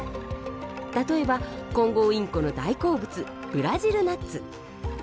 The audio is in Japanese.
例えばコンゴウインコの大好物ブラジルナッツ。